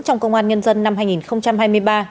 trong công an nhân dân năm hai nghìn hai mươi ba